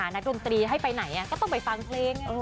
ดนตรีให้ไปไหนก็ต้องไปฟังเพลง